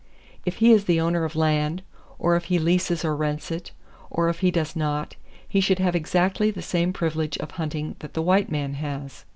If he is the owner of land, or if he leases or rents it, or if he does not, he should have exactly the same privilege of hunting that the white man has.